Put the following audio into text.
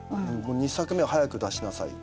「２作目は早く出しなさい」って。